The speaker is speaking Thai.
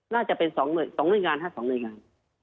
น่าจะเป็น๒หน่วยงาน๕๒หน่วยงาน